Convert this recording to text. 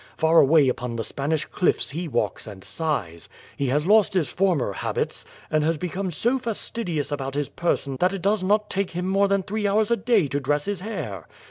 Far away upon the Span ish cliffs he walks and sighs. He has lost his former habits, and has become so fastidious about his person that it does not take him more than three hours a day to dress his hair.